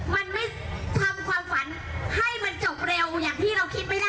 มันไม่ทำความฝันให้มันจบเร็วอย่างที่เราคิดไม่ได้